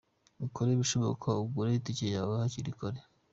Ukore ibishoboka ugure itike yawe hakiri kare…”.